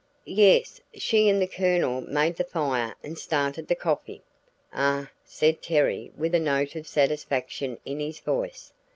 "Yes, she and the Colonel made the fire and started the coffee." "Ah!" said Terry with a note of satisfaction in his voice.